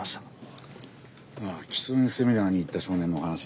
ああ吃音セミナーに行った少年のお話？